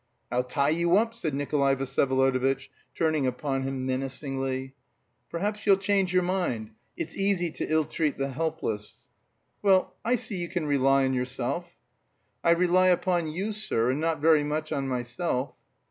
"I'll tie you up!" said Nikolay Vsyevolodovitch, turning upon him menacingly. "Perhaps you'll change your mind, sir; it's easy to ill treat the helpless." "Well, I see you can rely on yourself!" "I rely upon you, sir, and not very much on myself...."